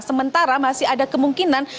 sementara masih ada kemungkinan